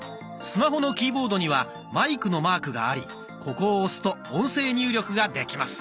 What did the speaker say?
スマホのキーボードにはマイクのマークがありここを押すと音声入力ができます。